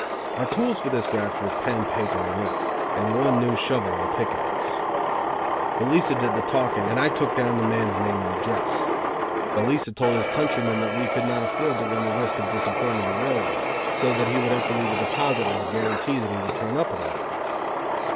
Our tools for this graft were pen, paper, and ink; and one new shovel and pick axe. Velica did the talking and I took down the man's name and address. Velica told his countryman that we could not afford to run the risk of disappointing the railroad, so that he would have to leave a deposit as a guarantee that he would turn up in the morning.